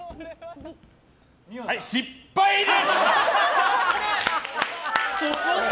失敗です！